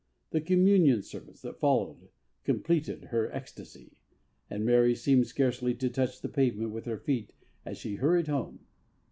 The Communion Service that followed completed her ecstasy, and Mary seemed scarcely to touch the pavement with her feet as she hurried home.